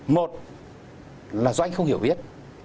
một là do anh không hiểu viết